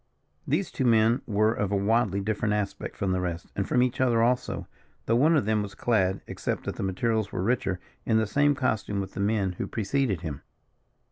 These two men were of a widely different aspect from the rest, and from each other also, though one of them was clad, except that the materials were richer, in the same costume with the men who preceded him.